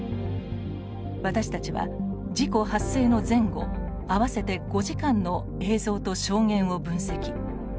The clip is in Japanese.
私たちは、事故発生の前後合わせて５時間の映像と証言を分析。